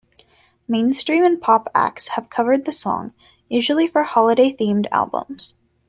Mainstream and pop acts have covered the song, usually for holiday-themed albums.